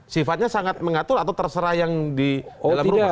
sifatnya sangat mengatur atau terserah yang di dalam rumah